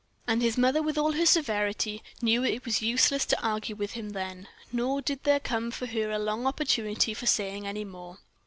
And his mother, with all her severity, knew that it was useless to argue with him then, nor did there come to her for long an opportunity for saying any more.